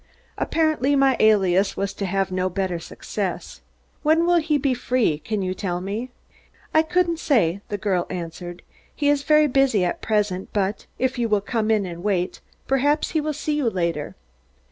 Apparently my alias was to have no better success. "When will he be free, can you tell me?" "I couldn't say," the girl answered. "He is very busy at present, but if you will come in and wait, perhaps he may see you later."